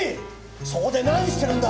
そこで何してるんだ？